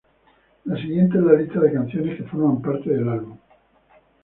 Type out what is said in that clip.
La siguiente es la lista de canciones que forman parte del álbum.